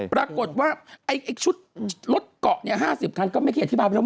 ปรากฏว่าไอ้ชุดรถเกาะ๕๐คันก็ไม่เขียนอธิบายว่า